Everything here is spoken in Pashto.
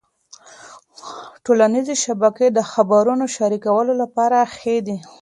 ټولنيزې شبکې د خبرونو شریکولو لپاره ښې دي.